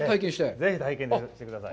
ぜひ体験してください。